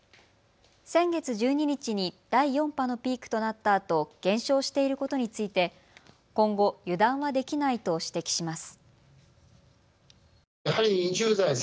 先月１２日に第４波のピークとなったあと減少していることについて今後、油断はできないと指摘します。